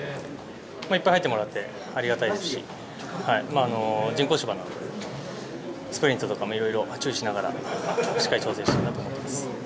いっぱい入ってもらってありがたいですし人工芝のスプリントとかもいろいろ注意しながらしっかり調整したいと思います。